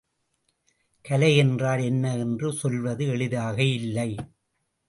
கலை என்றால் என்ன என்று சொல்வது எளிதாக இல்லை.